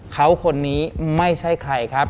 เขาคนนี้ไม่ใช่ใครครับ